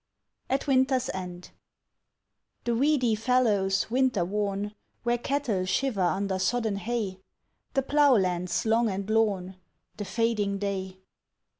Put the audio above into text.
AT WINTER'S END The weedy fallows winter worn, Where cattle shiver under sodden hay. The plough lands long and lorn The fading day.